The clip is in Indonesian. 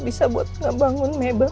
bisa buat ngebangun mebel